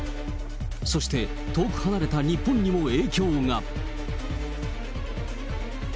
そして、遠く離れた日本にも影響が。